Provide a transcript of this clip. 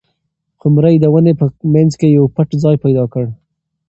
قمرۍ د ونې په منځ کې یو پټ ځای پیدا کړ.